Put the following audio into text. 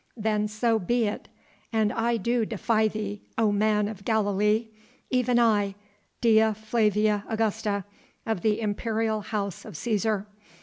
Then so be it! And I do defy thee, O man of Galilee! even I, Dea Flavia Augusta, of the imperial House of Cæsar!